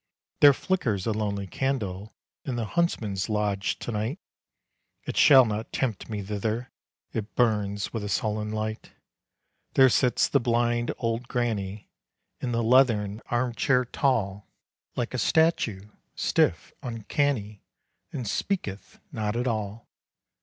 There flickers a lonely candle In the huntsman's lodge to night. It shall not tempt me thither; It burns with a sullen light. There sits the blind old granny, In the leathern arm chair tall, Like a statue, stiff, uncanny And speaketh not at all.